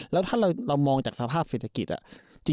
แล้วถ้าเรามองจากสภาพเศรษฐกิจ